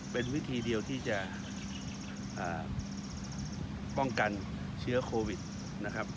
เป็นวิธีเดียวที่จะป้องกันเชื้อโควิดนะครับ